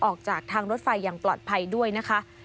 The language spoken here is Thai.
ออกจากทางรถไฟอย่างปลอดภัยด้วยนะคะ